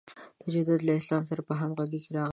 تجدد له اسلام سره په همغږۍ راغی.